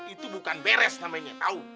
itu bukan beres namanya tahu